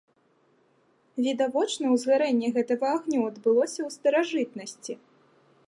Відавочна узгаранне гэтага агню адбылося ў старажытнасці.